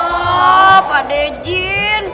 ya udah pak dejin